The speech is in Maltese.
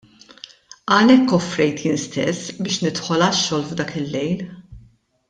Għalhekk offrejt jien stess biex nidħol għax-xogħol f'dak il-lejl.